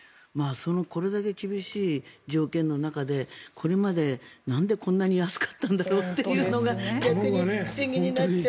これだけ厳しい条件の中でこれまで、なんでこんなに安かったんだろうっていうのが本当に不思議になっちゃう。